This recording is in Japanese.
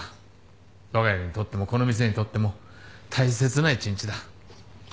わが家にとってもこの店にとっても大切な一日だ。